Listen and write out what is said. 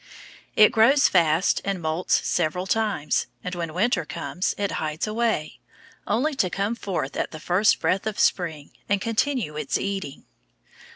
It grows fast and moults several times, and when winter comes it hides away, only to come forth at the first breath of spring and continue its eating.